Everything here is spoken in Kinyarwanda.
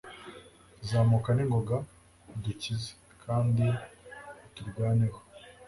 zamuka n'ingoga udukize kandi uturwaneho